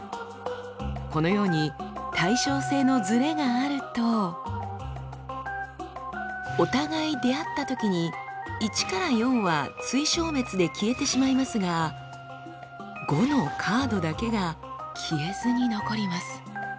このように対称性のズレがあるとお互い出会ったときに「１」から「４」は対消滅で消えてしまいますが「５」のカードだけが消えずに残ります。